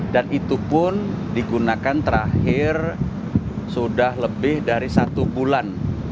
dan itu pun digunakan terakhir sudah lebih dari satu bulan